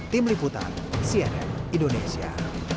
tim liputan cnn indonesia